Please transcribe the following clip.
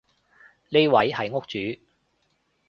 呢位係屋主